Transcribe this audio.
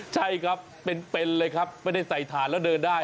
ใช่ครับเป็นเลยครับไม่ได้ใส่ถ่านแล้วเดินได้